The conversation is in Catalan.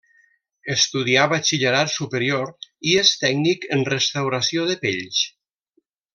Estudià batxillerat superior i és tècnic en restauració de pells.